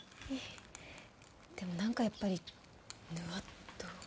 でもなんかやっぱりぬわっと。